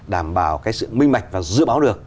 đảm bảo cái sự minh mạch và dự báo được